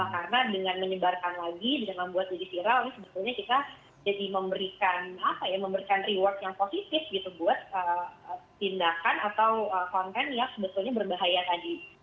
karena dengan menyebarkan lagi dengan membuatnya viral ini sebetulnya kita jadi memberikan reward yang positif buat tindakan atau konten yang sebetulnya berbahaya tadi